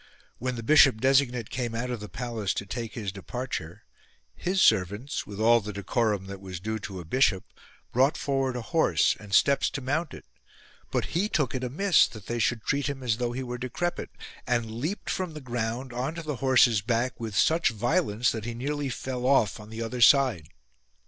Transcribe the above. When the bishop designate came out of the palace to take his departure, his servants, with all the decorum that was due to a bishop, brought forward a horse and steps to mount it : but he took it amiss that they should treat him as though he were decrepit ; and leaped from the ground on to the horse's back with such violence that 68 RULES AS TO READING he nearly fell ofF on the other side.